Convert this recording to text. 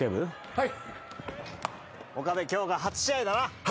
はい。